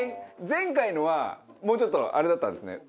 前回のはもうちょっとあれだったんですね。